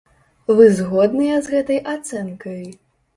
Вы згодныя з гэтай ацэнкай?